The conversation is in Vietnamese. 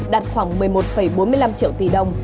đạt khoảng một mươi một bốn mươi năm triệu tỷ đồng